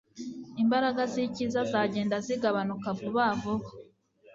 imbaraga z'icyiza zagenda zigabanuka vuba vuba